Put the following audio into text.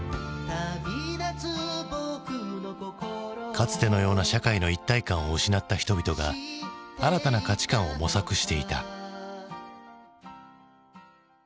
かつてのような社会の一体感を失った人々が新たな価値観を模索していた。